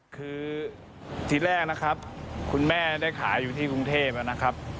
คือทีแรกนะครับคุณแม่ได้ขายอยู่ที่กรุงเทพนะครับ